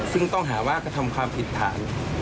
ซึ่งต้องหาว่ากระทำความผิดฐาน